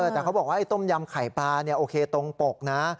แต่เขาบอกว่าไอ้ต้มยำไข่ปลาโอเคตรงปกนะ